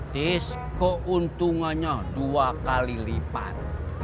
tis keuntungannya dua kali lipat